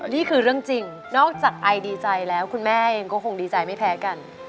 นี่คือเรื่องจริงนอกจากไอดีใจแล้วคุณแม่เองก็คงดีใจไม่แพ้กัน